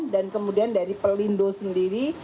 dan kemudian dari pelindung sendiri